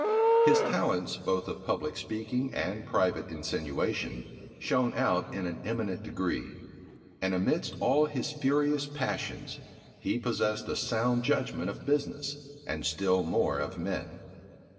His talents, both of public speaking and private insinuation, shone out in an eminent degree; and amidst all his furious passions, he possessed a sound judgment of business, and still more of men.